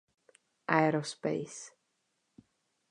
Aerospace.